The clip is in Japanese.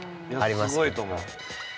すごいと思う。